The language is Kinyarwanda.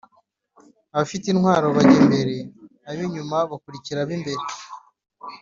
abafite intwaro bajya imbere abo inyuma bakurikira abimbere